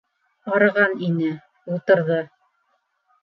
Арыған ине, ултырҙы.